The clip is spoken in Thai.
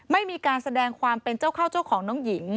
ไม่มีการแสดงความเป็นเจ้าเข้าเจ้าของน้องหญิง